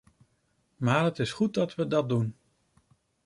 Maar het is goed dat we dat doen.